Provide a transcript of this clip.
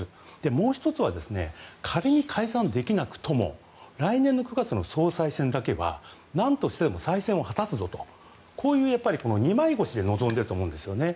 もう１つは仮に解散できなくとも来年の９月の総裁選だけは何としても再選を果たすぞとこういう二枚腰で臨んでいると思うんですね。